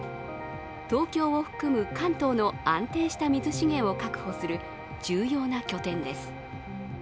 東京を含む関東の安定した水資源を確保する重要な拠点です。